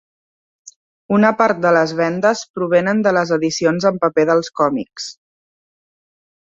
Una part de les vendes provenen de les edicions en paper dels còmics.